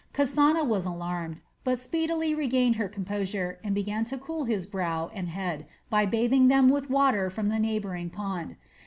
Kasana was alarmed, but speedily regained her composure and began to cool his brow and head by bathing them with water from the neighboring pond.